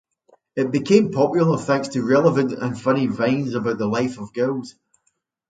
It became popular thanks to relevant and funny vines about the life of girls.